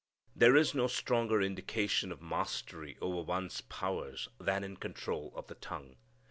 There is no stronger indication of mastery over one's powers than in control of the tongue.